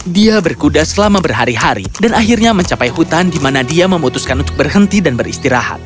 dia berkuda selama berhari hari dan akhirnya mencapai hutan di mana dia memutuskan untuk berhenti dan beristirahat